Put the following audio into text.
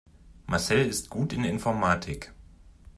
Marcel ist gut in Informatik.